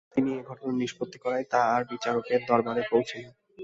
তিনি এ ঘটনার নিষ্পত্তি করায় তা আর বিচারকের দরবারে পৌঁছেনি।